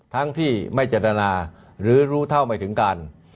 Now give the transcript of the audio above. ทั้งที่ไม่เจตนาหรือรู้เท่าไม่ถึงกัน